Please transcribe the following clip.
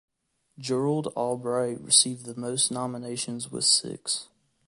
Gerald Albright received the most nominations with six.